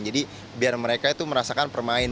jadi biar mereka itu merasakan permain